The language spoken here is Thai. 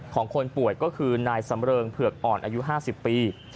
คนป่วยก็คือนายสำเริงเผือกอ่อนอายุ๕๐ปี